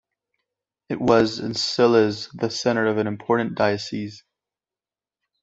It was and still is the centre of an important diocese.